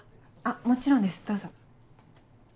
もちろんですどうぞ。